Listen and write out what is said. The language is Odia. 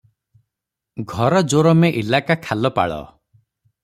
ଘର ଜୋରମେ ଇଲାକା ଖାଲପାଳ ।